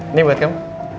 ini buat kamu